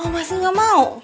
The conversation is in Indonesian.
masih gak mau